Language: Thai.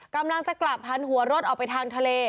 กำลังจะกลับหันหัวรถออกไปทางทะเล